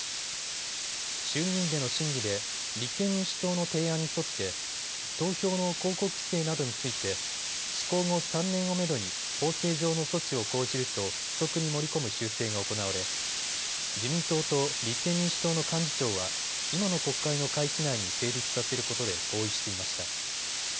衆議院での審議で立憲民主党の提案に沿って投票の広告規制などについて施行後３年をめどに法制上の措置を講じると付則に盛り込む修正が行われ自民党と立憲民主党の幹事長は今の国会の会期内に成立させることで合意していました。